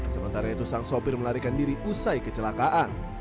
sementara itu sang sopir melarikan diri usai kecelakaan